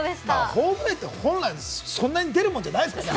ホームランって本来そんなに出るもんじゃないですからね。